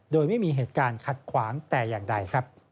โดยไม่มีเหตุการณ์ขัดขวางแต่อย่างใด